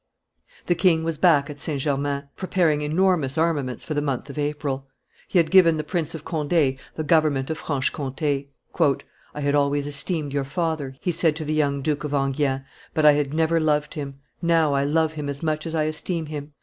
The king was back at St. Germain, preparing enormous armaments for the month of April. He had given the Prince of Conde the government of Franche Comte. "I had always esteemed your father," he said to the young Duke of Enghien, "but I had never loved him; now I love him as much as I esteem him."